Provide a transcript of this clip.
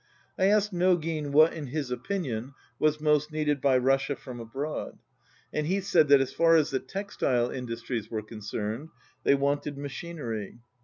I asked Nogin what, in his opinion, was most needed by Russia from abroad, and he said that as far as the textile industries were concerned they wanted machinery.